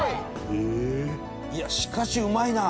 いやしかしうまいな！